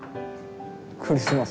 クリスマスが？